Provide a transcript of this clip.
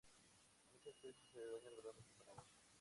Muchas especies se bañan regularmente con agua.